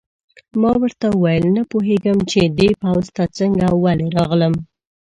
ما ورته وویل: نه پوهېږم چې دې پوځ ته څنګه او ولې راغلم.